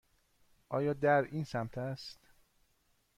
آیا در این سمت است؟